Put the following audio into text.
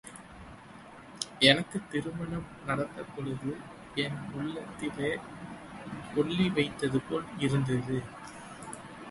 எனக்குத் திருமணம் நடந்தபொழுது, என் உள்ளத்திலே கொள்ளி வைத்ததுபோல் இருந்தது.